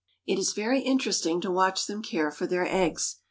It is very interesting to watch them care for their eggs.